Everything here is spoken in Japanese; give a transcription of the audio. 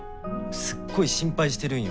すっごい心配してるんよ